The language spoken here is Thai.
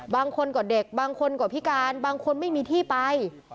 บางคนก็เด็กบางคนก็พิการบางคนไม่มีที่ไป